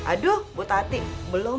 aduh bu tati belum